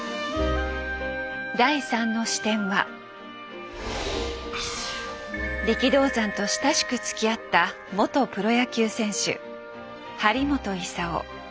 第３の視点は力道山と親しくつきあった元プロ野球選手張本勲。